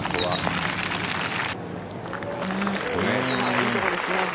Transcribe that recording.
いいところですね。